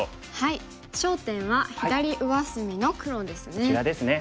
焦点は左上隅の黒ですね。